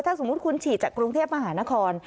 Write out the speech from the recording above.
ถ้าสมมุติคุณฉีดจากกรุงเทพมหานคร